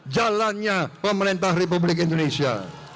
jalannya pemerintah republik indonesia